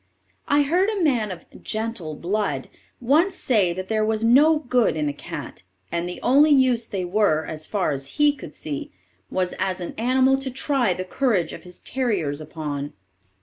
I heard a man of "gentle blood" once say that there was no good in a cat, and the only use they were, as far as he could see, was as an animal to try the courage of his terriers upon.